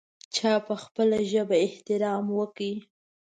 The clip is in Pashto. چا په خپله ژبه احترام وکړ.